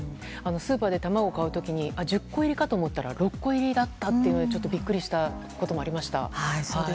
スーパーで卵を買う時に１０個入りだと思ったら６個入だったことにビックリしたこともありました。